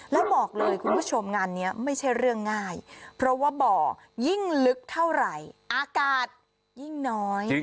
แล้วบอกเลยคุณผู้ชมงานนี้ไม่ใช่เรื่องง่ายเพราะว่าบ่อยิ่งลึกเท่าไหร่อากาศยิ่งน้อย